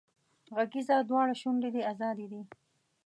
غږېږه دواړه شونډې دې ازادې دي